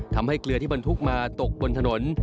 เกลือที่บรรทุกมาตกบนถนน